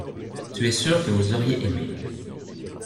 Tu es sûr que vous auriez aimé.